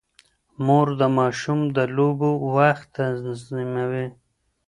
مور د ماشوم د لوبو وخت تنظيموي.